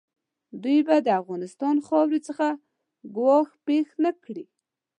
دوی به د افغانستان خاورې څخه ګواښ پېښ نه کړي.